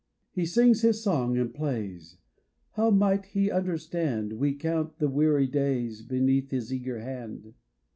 He sings his song and plays How might he understand We count the weary days Beneath his eager hand